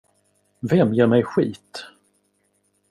Vem ger mig skit?